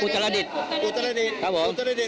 อุตรฎิตขาบเกิน๔ชั่วโมงใช่ไหม